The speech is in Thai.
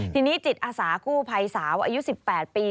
ทีนี้จิตอาสากู้ภัยสาวอายุ๑๘ปี